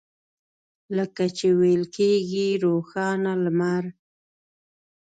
لکه چې ویل کېږي روښانه لمر.